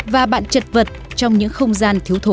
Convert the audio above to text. và bạn chật vật trong những không gian thiếu thốn